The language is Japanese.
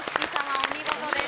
お見事です